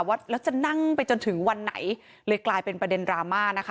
ว่าแล้วจะนั่งไปจนถึงวันไหนเลยกลายเป็นประเด็นดราม่านะคะ